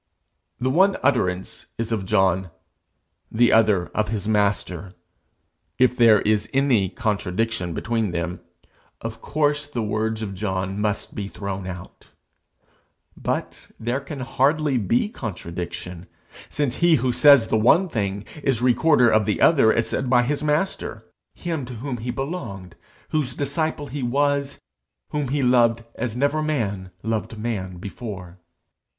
The one utterance is of John; the other of his master: if there is any contradiction between them, of course the words of John must be thrown away. But there can hardly be contradiction, since he who says the one thing, is recorder of the other as said by his master, him to whom he belonged, whose disciple he was, whom he loved as never man loved man before.